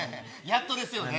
やっとですよね。